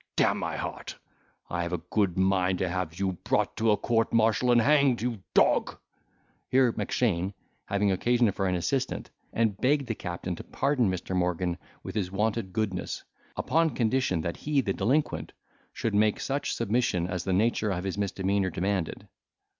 D—n my heart! I have a good mind to have you brought to a court martial and hang'd, you dog." Here Mackshane, having occasion for an assistant, interposed, and begged the captain to pardon Mr. Morgan with his wonted goodness, upon condition that he the delinquent should make such submission as the nature of his misdemeanour demanded.